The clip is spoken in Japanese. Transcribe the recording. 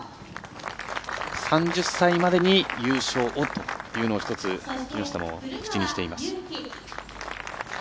３０歳までに優勝をというのを１つ、木下も口にしています。